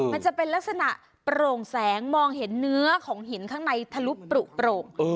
มันจะเป็นลักษณะโปร่งแสงมองเห็นเนื้อของหินข้างในทะลุปลุโปร่ง